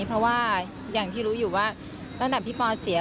เพราะว่าอย่างที่รู้อยู่ว่าตั้งแต่พี่ปอเสีย